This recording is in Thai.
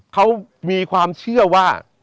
เขามีความเชื่อว่า